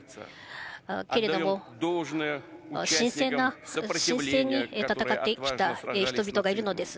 けれども、神聖な神聖に戦ってきた人々がいるのです。